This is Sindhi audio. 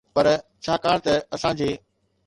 پر ڇاڪاڻ ته اسان جي